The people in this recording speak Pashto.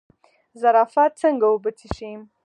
زرافه څنګه اوبه څښي؟